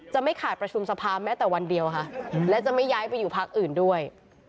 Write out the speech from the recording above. ไม่ขาดประชุมสภาแม้แต่วันเดียวค่ะและจะไม่ย้ายไปอยู่พักอื่นด้วย